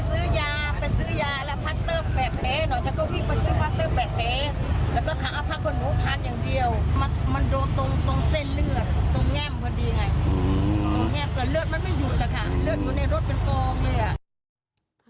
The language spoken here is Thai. เลือดอยู่ในรถเป็นกองเลย